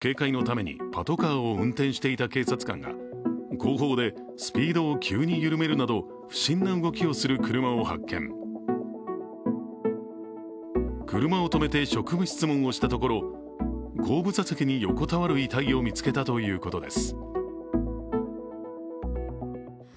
警察によりますと、遺体が見つかった昨日午前３時ごろ、別の窃盗事件の警戒のためにパトカーを運転していた警察官が後方でスピードを急に緩めるなど不審な動きをする車を発見車を止めて職務質問をしたところ後部座席に横たわる遺体を見つけたということです。